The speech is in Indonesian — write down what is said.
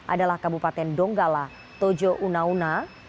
adalah kabupaten donggala tojo unauna